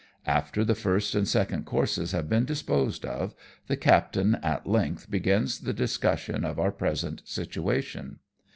After the first and second courses have been disposed of, the captain at length begins the discussion of our present situation.